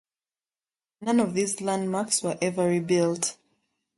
None of these landmarks were ever rebuilt.